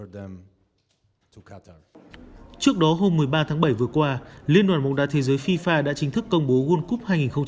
trước đó hôm một mươi ba tháng bảy vừa qua liên đoàn bóng đá thế giới fifa đã chính thức công bố world cup hai nghìn hai mươi